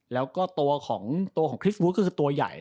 แล้วก็ตัวของคริสต์วูสก็คือตัวใหญ่